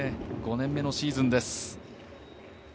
５年めのシーズンです。